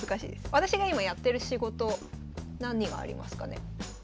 私が今やってる仕事何がありますかね。